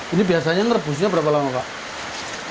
ini biasanya nge rebusnya berapa lama pak